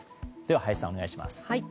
林さん、お願いします。